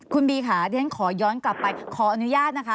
คุณบีค่ะเรียนขอย้อนกลับไปขออนุญาตนะคะ